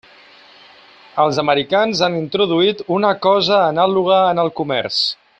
Els americans han introduït una cosa anàloga en el comerç.